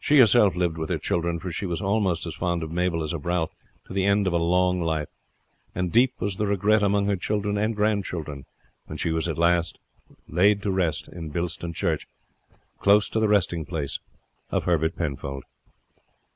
She herself lived with her children, for she was almost as fond of Mabel as of Ralph, to the end of a long life; and deep was the regret among her children and grandchildren when she was at last laid in Bilston Church, close to the resting place of Herbert Penfold.